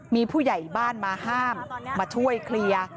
มีผู้ใหญ่บ้านมาห้ามมาช่วยเคลียร์